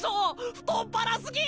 太っ腹すぎ！